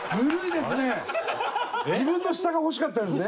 自分の下が欲しかったんですね。